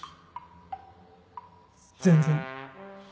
全然。